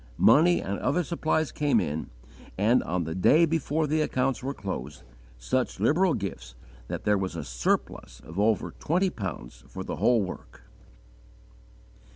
Money and other supplies came in, and, on the day before the accounts were closed, such liberal gifts, that there was a surplus of over twenty pounds for the whole work.